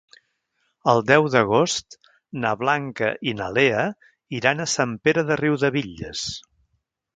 El deu d'agost na Blanca i na Lea iran a Sant Pere de Riudebitlles.